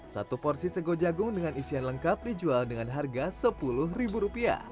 satu porsi sego jagung dengan isian lengkap dijual dengan harga rp sepuluh